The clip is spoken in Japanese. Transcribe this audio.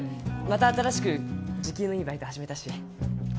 また新しく時給のいいバイト始めたし。